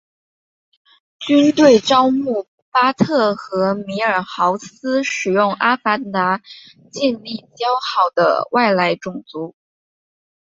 军队招募巴特和米尔豪斯使用阿凡达建立交好的外来种族。